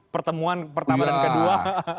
pertemuan pertama dan kedua